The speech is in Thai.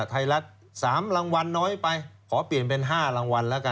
ไทยรัฐ๓รางวัลน้อยไปขอเปลี่ยนเป็น๕รางวัลแล้วกัน